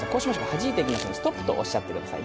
はじいていきますので「ストップ」とおっしゃってください。